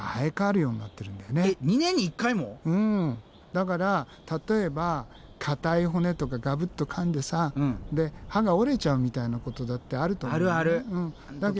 だから例えば硬い骨とかガブッと噛んでさ歯が折れちゃうみたいなことだってあると思うんだけど。